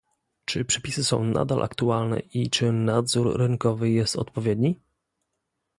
czy przepisy są nadal aktualne i czy nadzór rynkowy jest odpowiedni?